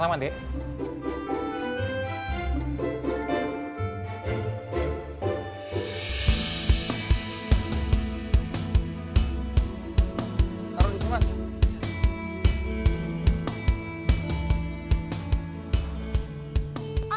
taruh di teman